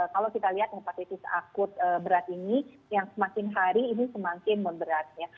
kalau kita lihat hepatitis akut berat ini yang semakin hari ini semakin memberatnya